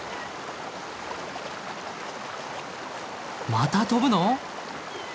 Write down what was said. また跳ぶの？